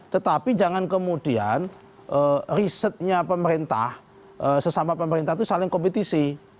tetapi jangan kemudian risetnya pemerintah sesama pemerintah itu saling kompetisi